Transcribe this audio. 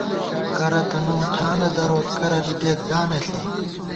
کرہ تہ نُن ٹھانہ دروت ، کرہ بی گئیت گانہ ݪی